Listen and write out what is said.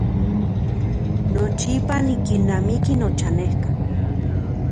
Nochipa nikilnamiki nochanejka.